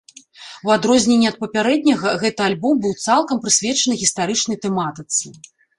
У адрозненне ад папярэдняга гэты альбом быў цалкам прысвечаны гістарычнай тэматыцы.